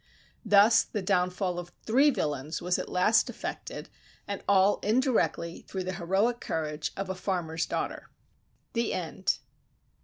Thus the downfall of three villains was at last effected, and all indirectly through the heroic courage of a farmer's daughter. THE END.